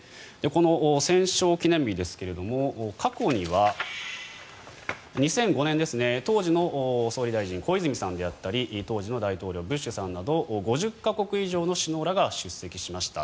この戦勝記念日ですが過去には、２００５年当時の総理大臣小泉さんであったり当時の大統領ブッシュさんなど５０か国以上の首脳らが出席しました。